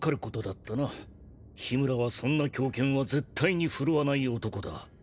緋村はそんな凶剣は絶対に振るわない男だ。